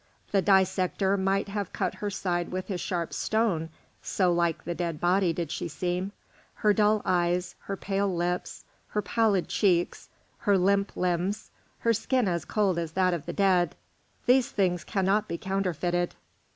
The dissector might have cut her side with his sharp stone, so like a dead body did she seem. Her dull eyes, her pale lips, her pallid cheeks, her limp limbs, her skin as cold as that of the dead, these things cannot be counterfeited."